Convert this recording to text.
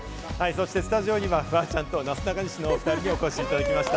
スタジオにはフワちゃんと、なすなかにしのおふたりにお越しいただきました。